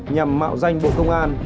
nhằm mạo danh bộ trưởng